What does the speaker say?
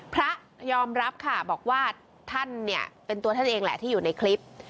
พระยอมรับค่ะบอกว่าท่านเนี่ยเป็นตัวท่านเองแหละที่อยู่ในคลิป